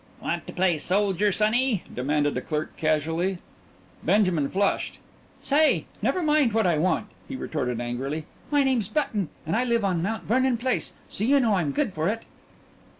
"Want to play soldier, sonny?" demanded a clerk casually. Benjamin flushed. "Say! Never mind what I want!" he retorted angrily. "My name's Button and I live on Mt. Vernon Place, so you know I'm good for it."